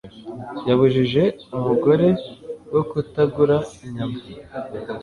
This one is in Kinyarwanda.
Yabujije umugore we kutagura inyama .